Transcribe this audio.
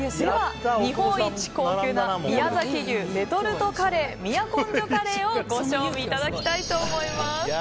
日本一高級な宮崎牛レトルトカレー都城華礼をご賞味いただきたいと思います。